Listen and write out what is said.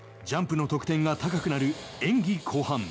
ジャンプの得点が高くなる演技後半。